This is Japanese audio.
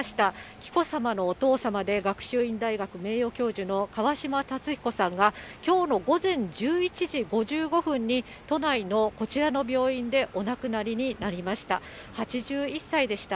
紀子さまのお父様で、学習院大学名誉教授の川嶋辰彦さんが、きょうの午前１１時５５分に、都内のこちらの病院でお亡くなりになりました。